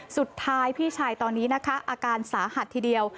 สุดท้ายพี่ชายตอนนี้นะคะอาการสาหัสทีเดียว